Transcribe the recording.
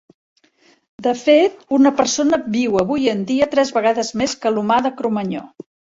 De fet, una persona viu avui en dia tres vegades més que l'humà de Cromanyó.